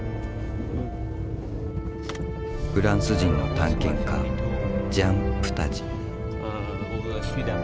フランス人の探検家ジャン・プタジ。